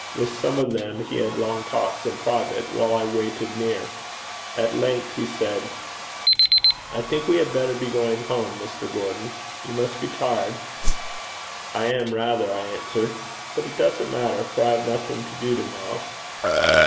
With some of them he had long talks in private, while I waited near. At length he said, 'I think we had better be going home, Mr. Gordon. You must be tired.' 'I am, rather,' I answered. 'But it doesn't matter, for I have nothing to do to morrow.'